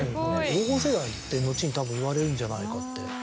黄金世代って後にたぶん言われるんじゃないかって。